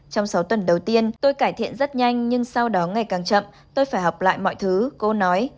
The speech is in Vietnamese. trong sáu tuần đầu tiên tôi cải thiện rất nhanh nhưng sau đó ngày càng chậm tôi phải học lại mọi thứ cô nói